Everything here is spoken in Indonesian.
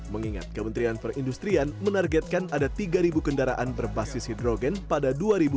mengingat kementerian perindustrian menargetkan ada tiga kendaraan berbasis hidrogen pada dua ribu dua puluh